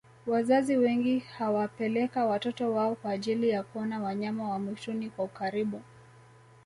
wazazi wengi huwapeleka watoto wao kwa ajiili ya kuona wanyama wa mwituni kwa ukaribu